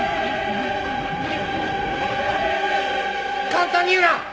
簡単に言うな！